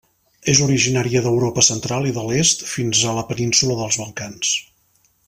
És originària d'Europa central i de l'est fins a la Península dels Balcans.